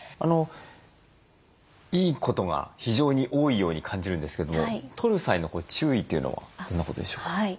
いいことが非常に多いように感じるんですけどもとる際の注意というのはどんなことでしょうか？